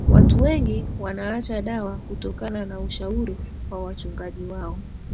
watu wengi wanaacha dawa kutokana na ushauri wa wachungaji wao